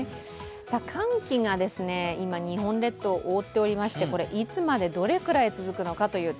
寒気が今日本列島、覆っておりましていつまで、どれくらい続くのかという点。